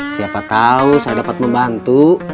siapa tahu saya dapat membantu